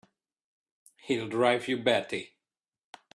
He'll drive you batty!